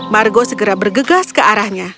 margo segera bergegas ke arahnya